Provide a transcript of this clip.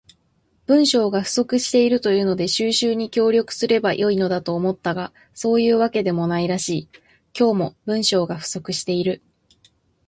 文章が不足しているというので収集に協力すれば良いのだと思ったが、そういうわけでもないらしい。今日も、文章が不足している。